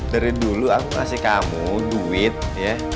dari dulu aku kasih kamu duit ya